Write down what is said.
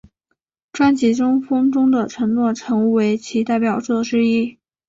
专辑中风中的承诺成为其代表作之一。